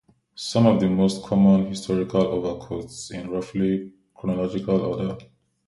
Some of the most common historical overcoats, in roughly chronological order.